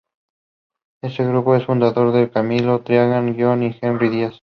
Este grupo es fundado por Camilo Triana, Gio y Henry Díaz.